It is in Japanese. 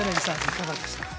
いかがでしたか？